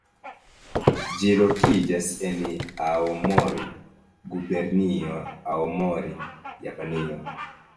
Ĝi lokiĝas en Aomori, Gubernio Aomori, Japanio.